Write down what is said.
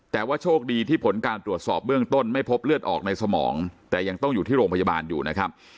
แต่ว่าโชคดีที่ผลการตรวจสอบเบื้องต้นไม่พบเลือดออกในสมองแต่ยังต้องอยู่ที่โรงพยาบาลอยู่นะครับ